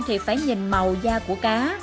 thì phải nhìn màu da của cá